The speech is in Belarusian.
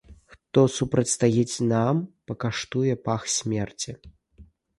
Хто супрацьстаіць нам, пакаштуе пах смерці!